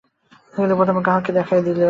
কিন্তু প্রথমে কাহাকেও দেখা দিল না।